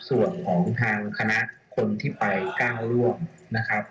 ส่วนของทางคณะคนที่ไปก้าวล่วงนะครับ